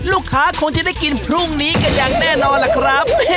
ลูกค้าคงจะได้กินพรุ่งนี้กันอย่างแน่นอนล่ะครับ